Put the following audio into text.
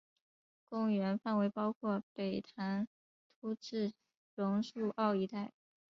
公园范围包括北潭凹至榕树澳一带。